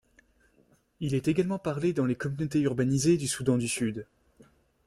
Il est également parlé dans les communautés urbanisées du Soudan du Sud.